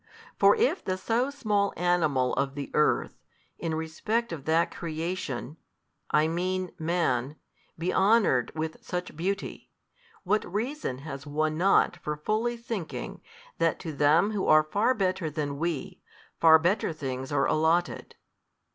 For if the so small animal of the earth, in respect of that creation, I mean man, be honoured with such beauty, what reason has one not for fully thinking, that to them who are far better than we, far better things are allotted?